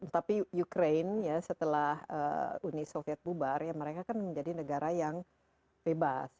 tapi ukraine ya setelah uni soviet bubar ya mereka kan menjadi negara yang bebas